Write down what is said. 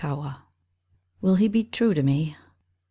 DOUBT. WILL he be true to me